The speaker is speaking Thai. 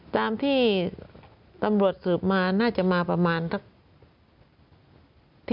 ตามที่ตำรวจสืบมาน่าจะมาประมาณสัก